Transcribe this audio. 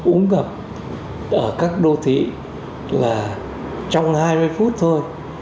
úng ngập ở các đô thị là trong hai mươi phút thôi